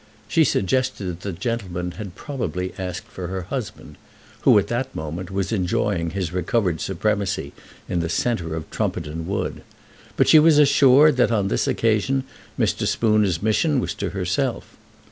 She suggested that the gentleman had probably asked for her husband, who, at that moment, was enjoying his recovered supremacy in the centre of Trumpeton Wood; but she was assured that on this occasion Mr. Spooner's mission was to herself.